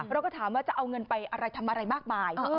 เราก็ถามว่าจะเอาเงินไปอะไรทำอะไรมากมาย